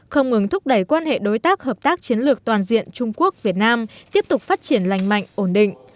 không ngừng thúc đẩy quan hệ đối tác hợp tác chiến lược toàn diện trung quốc việt nam tiếp tục phát triển lành mạnh ổn định